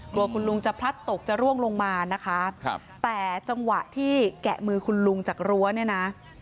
กลัวคุณลุงจะพลัดตกจะร่วงลงมานะคะครับแต่จังหวะที่แกะมือคุณลุงจากรั้วเนี่ยนะ